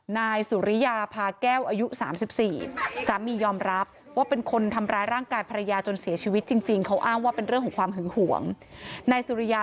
นายสุริยาพาแก้วอายุ๓๔สามียอมรับว่าเป็นคนทำร้ายร่างกายภรรยา